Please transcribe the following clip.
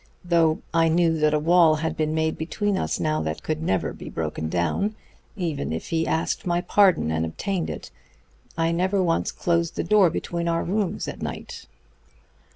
Though I knew that a wall had been made between us now that could never be broken down even if he asked my pardon and obtained it I never once closed the door between our rooms at night.